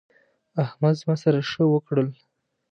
احمد زما سره ښه وکړل.